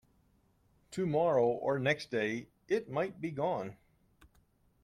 Tomorrow or next day it might he gone.